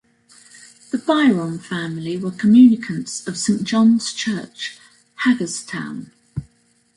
The Byron family were communicants of Saint John's Church, Hagerstown.